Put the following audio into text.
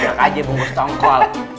banyak aja bungkus tongkol